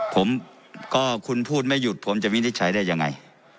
ผมก็คุณพูดไม่หยุดผมจะวินิจฉัยได้ยังไง